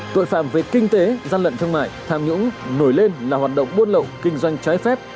tội phạm về kinh tế gian lận thương mại tham nhũng nổi lên là hoạt động buôn lậu kinh doanh trái phép